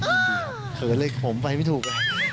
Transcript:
เขินเลยผมไปไม่ถูก